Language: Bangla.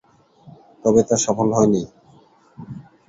তবে তা সফল হয়নি।